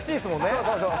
そうそうそう。